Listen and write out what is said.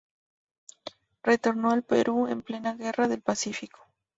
Retornó al Perú, en plena Guerra del Pacífico.